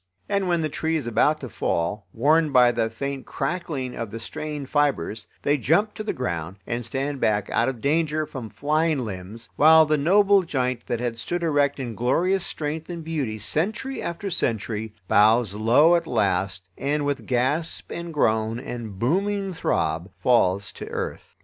And when the tree is about to fall, warned by the faint crackling of the strained fibers, they jump to the ground, and stand back out of danger from flying limbs, while the noble giant that had stood erect in glorious strength and beauty century after century, bows low at last and with gasp and groan and booming throb falls to earth.